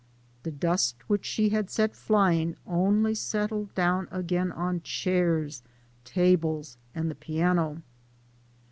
The dust which she had set flying only settled down again on chairs, tables, and the piano.